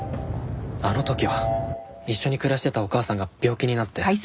あの時は一緒に暮らしてたお母さんが病気になって。